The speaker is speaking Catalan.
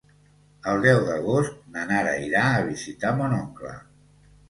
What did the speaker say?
El deu d'agost na Nara irà a visitar mon oncle.